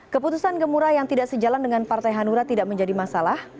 keputusan gemura yang tidak sejalan dengan partai hanura tidak menjadi masalah